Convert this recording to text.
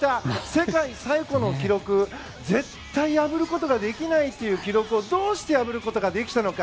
世界最古の記録絶対破ることができない記録をどうして破ることができたのか。